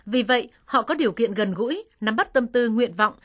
vì vậy họ có điều kiện gần gũi nắm bắt tâm tư nguyện vọng